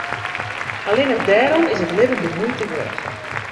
Allinne dêrom is it libben de muoite wurdich.